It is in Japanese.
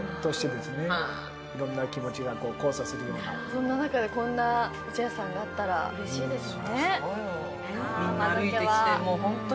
そんな中でこんなお茶屋さんがあったらうれしいですよね。